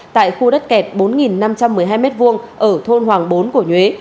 tại khu đất kẹt bốn nghìn năm trăm một mươi hai m hai ở thôn hoàng bốn cổ nhuế